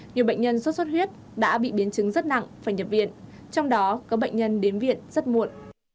nhiều bệnh nhân sốt xuất huyết đã bị biến chứng rất nặng phải nhập viện trong đó có bệnh nhân đến viện rất muộn